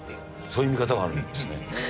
そういう見方があるんですね。